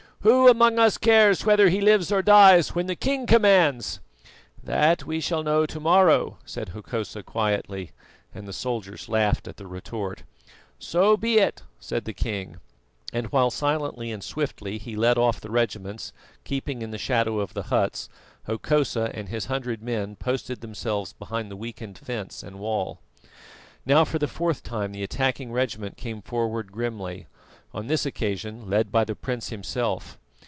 "Who among us cares whether he lives or dies when the king commands?" "That we shall know to morrow," said Hokosa quietly, and the soldiers laughed at the retort. "So be it," said the king, and while silently and swiftly he led off the regiments, keeping in the shadow of the huts, Hokosa and his hundred men posted themselves behind the weakened fence and wall. Now, for the fourth time the attacking regiment came forward grimly, on this occasion led by the prince himself.